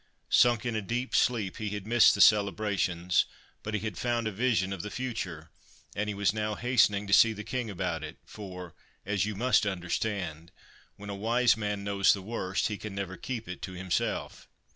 Sunk in a deep sleep, he had missed the celebrations, but he had found a vision of the future ; and he was now hastening to see the King about it, for, as you must understand, when a wise man knows the worst he can never keep it to himself.